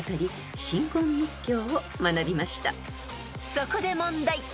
［そこで問題］